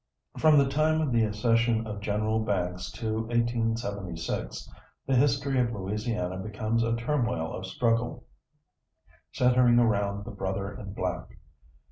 From the time of the accession of General Banks to 1876, the history of Louisiana becomes a turmoil of struggle, centering around the brother in black.